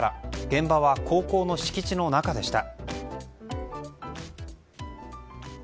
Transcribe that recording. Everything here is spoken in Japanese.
現場は高校の敷地の中でした。